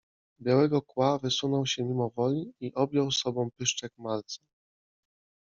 Białego Kła wysunął się mimo woli i objął sobą pyszczek malca.